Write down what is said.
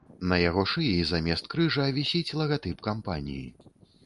На яго шыі замест крыжа вісіць лагатып кампаніі.